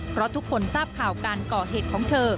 เพราะทุกคนทราบข่าวการก่อเหตุของเธอ